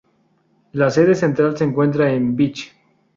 La sede central se encuentra en Vich.